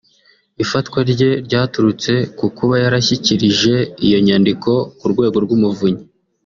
Ifatwa rye ryaturutse ku kuba yarashyikirije iyo nyandiko ku Rwego rw’Umuvunyi